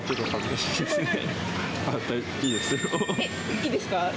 いいですか？